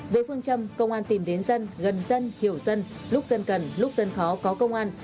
với phương châm công an tìm đến dân gần dân hiểu dân lúc dân cần lúc dân khó có công an